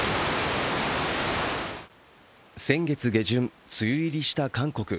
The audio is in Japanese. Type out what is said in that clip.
先月下旬、梅雨入りした韓国。